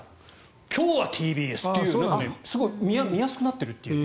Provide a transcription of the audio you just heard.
今日はＴＢＳというすごい見やすくなっているというか。